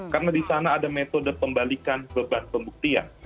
karena di sana ada metode pembalikan beban pembuktian